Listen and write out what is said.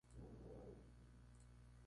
Herediano, entre otros equipos locales.